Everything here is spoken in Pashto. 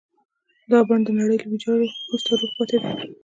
دا بڼ د نړۍ له ويجاړۍ وروسته روغ پاتې دی.